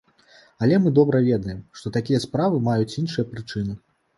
Але мы добра ведаем, што такія справы маюць іншыя прычыны.